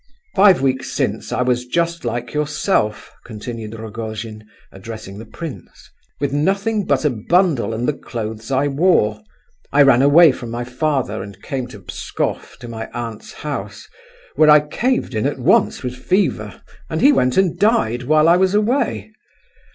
"Five weeks since, I was just like yourself," continued Rogojin, addressing the prince, "with nothing but a bundle and the clothes I wore. I ran away from my father and came to Pskoff to my aunt's house, where I caved in at once with fever, and he went and died while I was away.